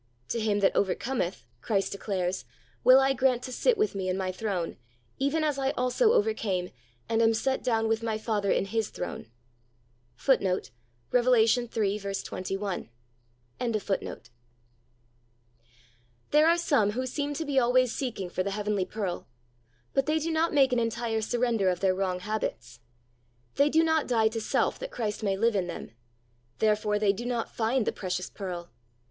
"To him that over cometh," Christ declares, "will I grant to sit with Me in My throne, even as I also overcame, and am set down with My Father in His throne."* iRev. 3:8, i8 2 Rev. 3:17 3 Matt. 21:31 * Rev. 3:21 Ii8 Christ's Object Lessons There are some who seem to be always seeking for the heavenly pearl. But they do not make an enth e surrender of their wrong habits. They do not die to self that Christ may live in them. Therefore they do not iind the precious pearl.